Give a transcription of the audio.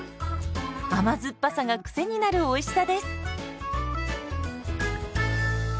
甘酸っぱさがクセになるおいしさです。